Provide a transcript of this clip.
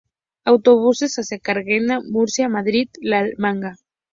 Autobuses hacia Cartagena, Murcia, Madrid, La Manga.